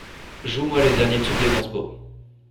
Joue moi le dernier tube de Gainsbourg.